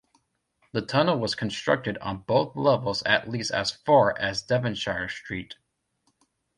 The tunnel was constructed on both levels at least as far as Devonshire Street.